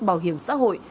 bảo hiểm xã hội